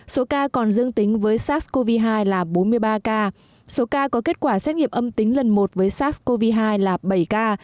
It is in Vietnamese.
số ca còn dương tính với sars cov hai là bốn mươi ba ca số ca có kết quả xét nghiệm âm tính lần một với sars cov hai là bảy ca